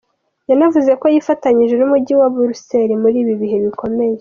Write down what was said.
Yanavuze ko yifatanyije n’Umujyi wa Buruseli muri ibi bihe bikomeye.